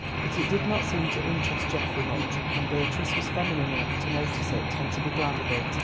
But it did not seem to interest Geoffrey much, and Beatrice was feminine enough to notice it, and to be glad of it.